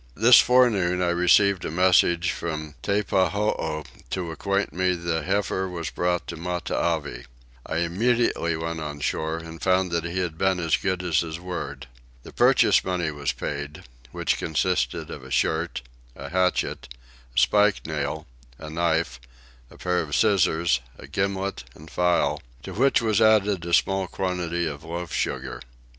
This forenoon I received a message from Teppahoo to acquaint me the heifer was brought to Matavai. I immediately went on shore and found that he had been as good as his word. The purchase money was paid, which consisted of a shirt, a hatchet, a spike nail, a knife, a pair of scissors, a gimlet, and file; to which was added a small quantity of loaf sugar.